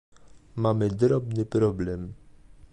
Mamy drobny problem